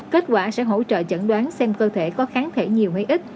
kết quả sẽ hỗ trợ chẩn đoán xem cơ thể có kháng thể nhiều hay ít